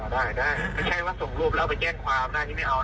ไม่ใช่ว่าส่งรูปน๊าไปแก้งความน่าที่ไม่เอานะ